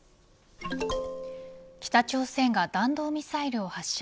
北朝鮮が弾道ミサイルを発射。